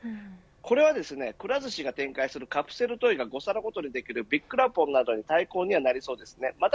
これは、くら寿司が展開するカプセルトイが５皿ごとにできるビッくらポンなどの対抗になりそうです。